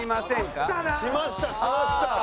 しましたしました。